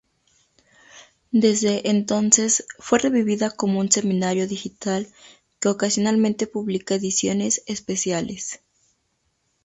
Desde entonces fue revivida como un semanario digital que ocasionalmente publica ediciones especiales.